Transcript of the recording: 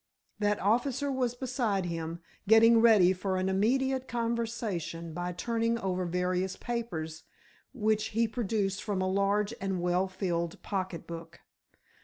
That officer was beside him, getting ready for an immediate conversation by turning over various papers which he produced from a large and well filled pocket book.